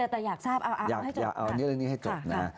แต่อยากทราบอย่าเอาเรื่องนี้ให้จบนะ